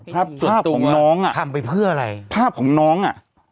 ภาพภาพของน้องอ่ะทำไปเพื่ออะไรภาพของน้องอ่ะ